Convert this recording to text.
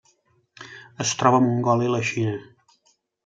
Es troba a Mongòlia i la Xina.